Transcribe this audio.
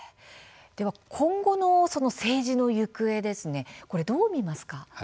では今後の政治の行方これ、どう見ますか。